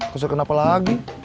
kesel kenapa lagi